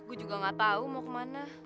gue juga gak tahu mau kemana